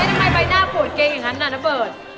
เจ๊ทำไมใบหน้าโผล่เกรงอย่างนั้นนะเบิร์ต